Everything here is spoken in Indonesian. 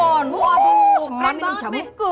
waduh keren banget jamu ku